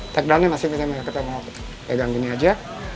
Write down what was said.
takedown nya masih bisa pegang begini aja